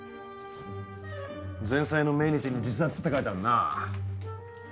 前妻の命日に自殺って書いてあるな。